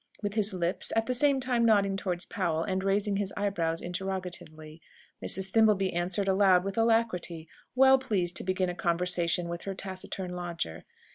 with his lips, at the same time nodding towards Powell, and raising his eyebrows interrogatively. Mrs. Thimbleby answered aloud with alacrity, well pleased to begin a conversation with her taciturn lodger.